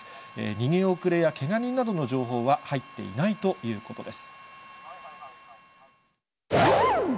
逃げ遅れやけが人などの情報は入っていないということです。